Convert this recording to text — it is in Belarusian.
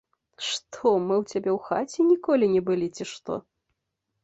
Што, мы ў цябе ў хаце ніколі не былі, ці што?